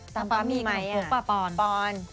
ตำปำมีขนมโพกนะปอนปอน